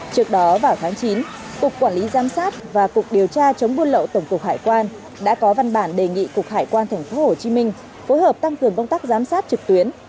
trước đó vào tháng chín cục quản lý giám sát và cục điều tra chống buôn lậu tổng cục hải quan đã có văn bản đề nghị cục hải quan tp hcm phối hợp tăng cường công tác giám sát trực tuyến